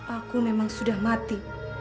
aku memang sudah mati